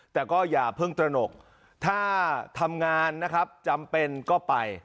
แต่ก็อย่าเพิ่งตระหนกถ้าทำงานนะครับจำเป็นก็ไป